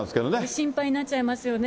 心配になっちゃいますよね。